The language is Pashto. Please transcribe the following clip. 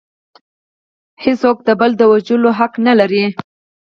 هیڅوک د بل د وژلو حق نلري